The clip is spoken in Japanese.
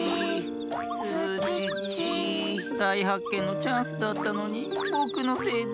だいはっけんのチャンスだったのにぼくのせいで。